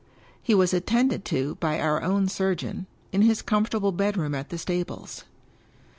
He was attended to by our own surgeon, in his comfort able bedroom at the stables.